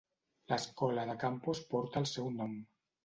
L'escola de Campos porta el seu nom.